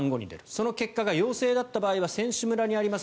その結果が陽性だった場合は選手村にあります